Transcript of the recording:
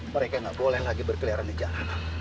mereka gak boleh lagi berkeliaran di jarang